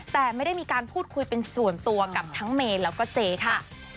แต่ไม่ได้มีการพูดคุยเป็นส่วนตัวกับทั้งเมย์แล้วก็เจค่ะ